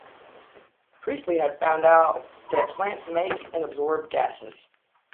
Priestley had found out that plants make and absorb gases.